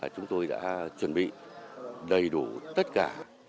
chúng tôi đã chuẩn bị đầy đủ tất cả